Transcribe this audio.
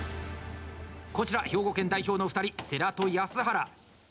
こちら兵庫県代表の２人世良と安原。